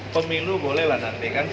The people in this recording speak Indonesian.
pemilu boleh lah nanti